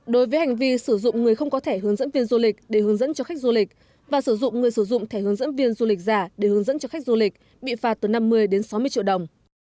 đối với hành vi sử dụng người không có thẻ hướng dẫn viên du lịch để hướng dẫn cho khách du lịch và sử dụng người sử dụng thẻ hướng dẫn viên du lịch giả để hướng dẫn cho khách du lịch bị phạt từ năm mươi đến sáu mươi triệu đồng